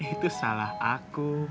itu salah aku